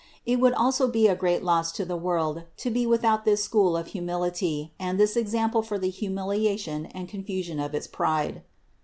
It would also be a great loss to the world to be without this school of humility and this ex ample for the humiliation and confusion of its pride.